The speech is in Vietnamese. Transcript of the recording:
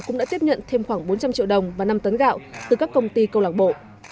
cũng đã tiếp nhận thêm khoảng bốn trăm linh triệu đồng và năm tấn gạo từ các công ty câu lạc bộ